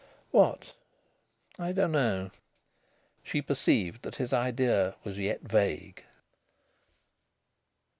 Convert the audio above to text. "What?" "I dunno." She perceived that his idea was yet vague.